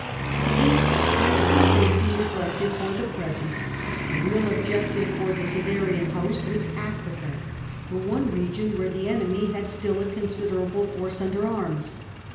The East might have been safely ni^glected for the present ; the real objective for the Omsarian host wan Africa, the on© region where the enemy had still a considerable force under arms.